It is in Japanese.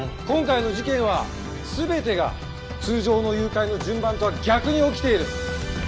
今回の事件は全てが通常の誘拐の順番とは逆に起きている。